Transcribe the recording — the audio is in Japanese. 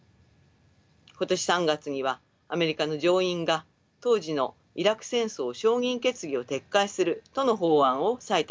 今年３月にはアメリカの上院が当時のイラク戦争承認決議を撤回するとの法案を採択しました。